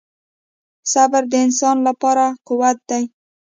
• صبر د انسان لپاره قوت دی.